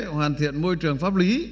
hoàn thiện môi trường pháp lý